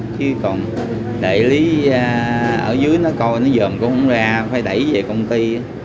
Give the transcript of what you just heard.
chứ còn đại lý ở dưới nó coi nó dợm cũng không ra phải đẩy về công ty